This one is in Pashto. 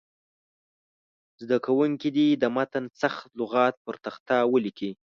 زده کوونکي دې د متن سخت لغات پر تخته ولیکي.